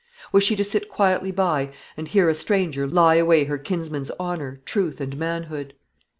Was she to sit quietly by and hear a stranger lie away her kinsman's honour, truth, and manhood?